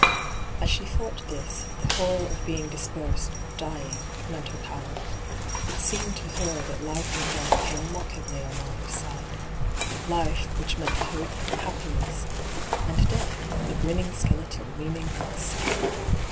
As she thought this, the horror of being dispersed, of dying, lent her power. It seemed to her that life and death came mockingly on either side — Life, which meant hope, happiness ; and Death, a grinning skeleton leaning on his scythe.